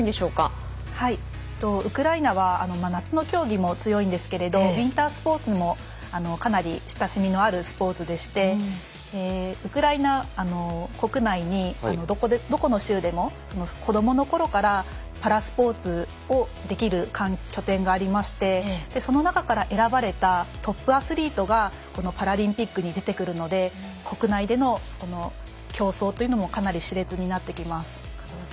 ウクライナは夏の競技も強いんですけれどウインタースポーツもかなり親しみのあるスポーツでしてウクライナ国内にどこの州でも子どものころからパラスポーツをできる拠点がありましてその中から選ばれたトップアスリートがこのパラリンピックに出てくるので国内での競争というのもかなり、し烈になってきます。